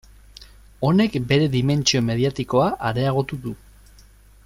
Honek bere dimentsio mediatikoa areagotu du.